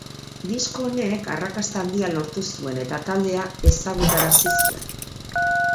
Disko honek arrakasta handia lortu zuen eta taldea ezagutarazi zuen.